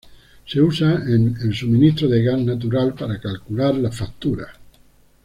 Se usa en el suministro de gas natural para calcular las facturas.